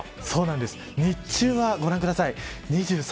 日中は、ご覧ください。